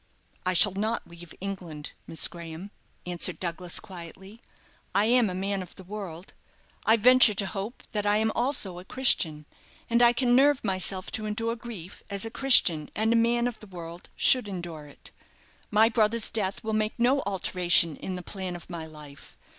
"I shall not leave England, Miss Graham," answered Douglas, quietly; "I am a man of the world I venture to hope that I am also a Christian and I can nerve myself to endure grief as a Christian and a man of the world should endure it. My brother's death will make no alteration in the plan of my life.